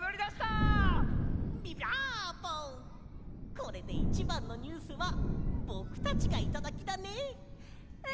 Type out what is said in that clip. これでいちばんのニュースはぼくたちがいただきだね！